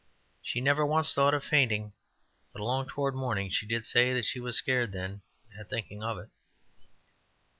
She never once thought of fainting; but along toward morning she did say that she was scared then at thinking of it.